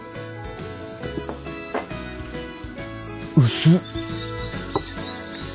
薄っ。